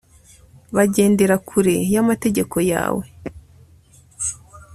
bagendera kure y'amategeko yawe